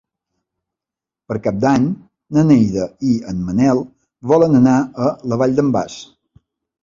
Per Cap d'Any na Neida i en Manel volen anar a la Vall d'en Bas.